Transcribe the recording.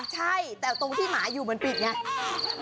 ใช่แต่ตรงที่หมาอยู่มันปิดอย่างนี้